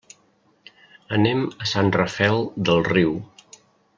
Anem a Sant Rafel del Riu.